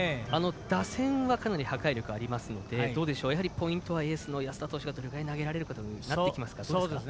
打線はかなり破壊力ありますのでポイントはエースの安田投手がどれくらい投げられるかになってきますか。